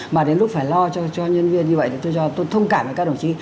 mà đến lúc phải lo cho nhân viên như vậy thì tôi thông cảm với các đồng chí